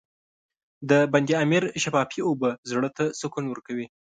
د بند امیر شفافې اوبه زړه ته سکون ورکوي.